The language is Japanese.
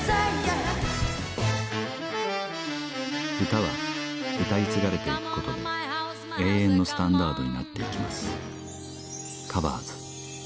歌は歌い継がれていくことで永遠のスタンダードになっていきます